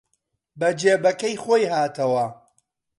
بە جێبەکەی خۆی هاتەوە